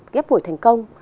ghép phổi thành công